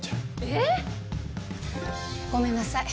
えっ！？ごめんなさい。